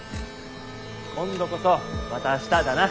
今度こそまた明日だな。